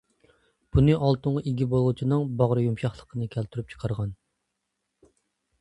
بۇنى ئالتۇنغا ئىگە بولغۇچىنىڭ باغرى يۇمشاقلىقى كەلتۈرۈپ چىقارغان.